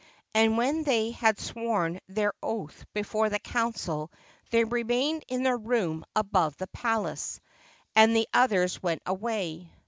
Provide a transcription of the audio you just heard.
And when they had sworn their oath before the council they remained in their room above in the palace, and the others went away.